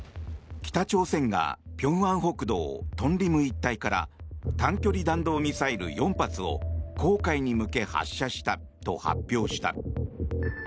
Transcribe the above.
北朝鮮が平安北道東林一帯から短距離弾道ミサイル４発を黄海に向け発射したと発表した。